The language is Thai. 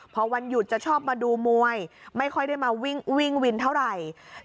พอวันหยุดจะชอบมาดูมวยไม่ค่อยได้มาวิ่งวินเท่าไหร่